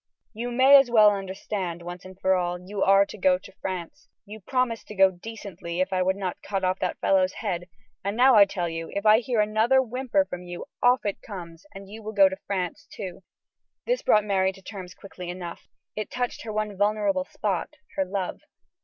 You may as well understand, once and for all, that you are to go to France. You promised to go decently if I would not cut off that fellow's head, and now I tell you that if I hear another whimper from you off it comes, and you will go to France, too." This brought Mary to terms quickly enough. It touched her one vulnerable spot her love.